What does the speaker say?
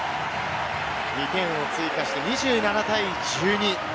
２点を追加して２７対１２。